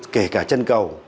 kể cả chân cầu